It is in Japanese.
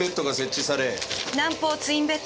南方ツインベッド。